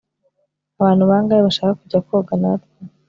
abantu bangahe bashaka kujya koga natwe